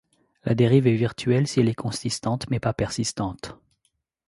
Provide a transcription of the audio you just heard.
La dérive est virtuelle si elle est consistante mais pas persistante.